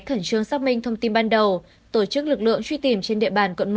khẩn trương xác minh thông tin ban đầu tổ chức lực lượng truy tìm trên địa bàn quận một